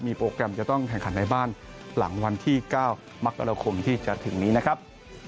โปรแกรมจะต้องแข่งขันในบ้านหลังวันที่๙มกราคมที่จะถึงนี้นะครับ